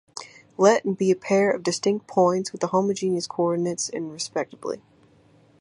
Let and be a pair of distinct points with homogeneous coordinates and respectively.